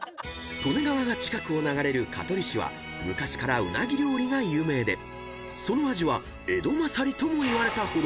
［利根川が近くを流れる香取市は昔からうなぎ料理が有名でその味は江戸優りともいわれたほど］